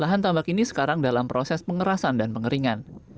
lahan tambak ini sekarang dalam proses pengerasan dan pengeringan